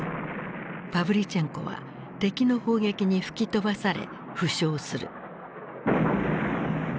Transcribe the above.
パヴリチェンコは敵の砲撃に吹き飛ばされ負傷する。